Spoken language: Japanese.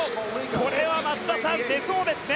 これは松田さん出そうですね。